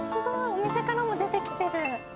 お店からも出てきてる。